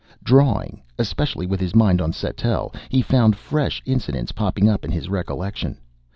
Drawing especially with his mind on Sattell he found fresh incidents popping up in his recollection.